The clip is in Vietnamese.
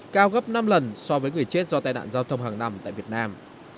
cao gấp năm lần so với người chết do tai nạn giao thông hàng năm tại việt nam